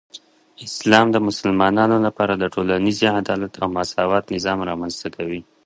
اسلام د مسلمانانو لپاره د ټولنیزې عدالت او مساوات نظام رامنځته کوي.